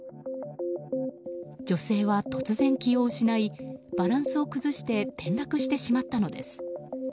女性は突然、気を失いバランスを崩し転落してしまったのです。